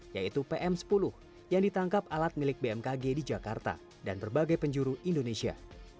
yaitu pm sepuluh yang ditangkap alat milik bmkg di jakarta dan berbagai penjuru indonesia